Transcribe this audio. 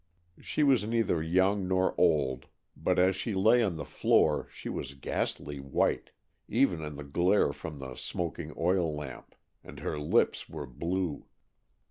She was neither young nor old, but as she lay on the floor she was ghastly white, even in the glare from the smoking oil lamp, and her lips were blue.